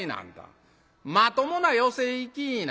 まともな寄席行きいな。